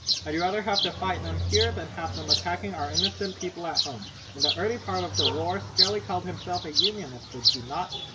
I'd rather have to fight them here than have them attacking our innocent people at home. In the early part of the war Skelly called himself a Unionist, did he not?"